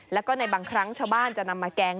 แล้วก็ในบางครั้งชาวบ้านจะนำมาแกง